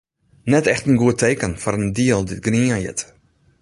Net echt in goed teken foar in deal dy’t grien hjit.